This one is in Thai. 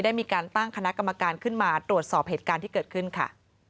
ได้มีการตั้งคณะกรรมการขึ้นมาตรวจสอบเหตุการณ์ที่เกิดขึ้นค่ะ